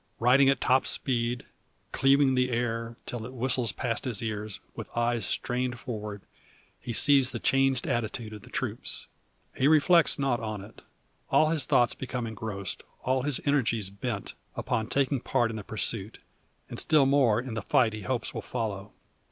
Riding at top speed, cleaving the air, till it whistles past his ears, with eyes strained forward, he sees the changed attitude of the troops. He reflects not on it; all his thoughts becoming engrossed, all his energies bent, upon taking part in the pursuit, and still more in the fight he hopes will follow.